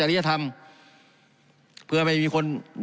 การปรับปรุงทางพื้นฐานสนามบิน